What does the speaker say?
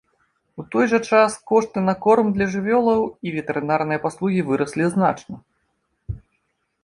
У той жа час кошты на корм для жывёлаў і ветэрынарныя паслугі выраслі значна.